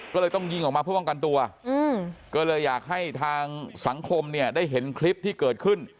ก็เลยต้องยิงออกมาเพื่อป้องกันตัวก็เลยอยากให้ทางสังคมเนี่ยได้เห็นคลิปที่เกิดขึ้น